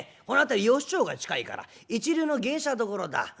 この辺り芳町が近いから一流の芸者どころだ。